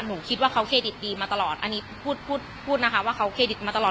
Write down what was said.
คิดว่าเขาเครดิตดีมาตลอดอันนี้พูดพูดนะคะว่าเขาเครดิตมาตลอด